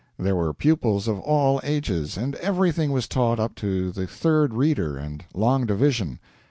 There were pupils of all ages, and everything was taught up to the third reader and long division.